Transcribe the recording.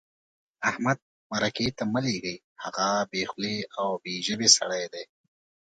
احمد مرکې ته مه لېږئ؛ هغه بې خولې او بې ژبې سړی دی.